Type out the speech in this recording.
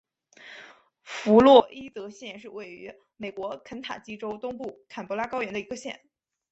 弗洛伊德县是位于美国肯塔基州东部坎伯兰高原的一个县。